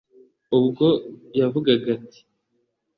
ubgo yavugagati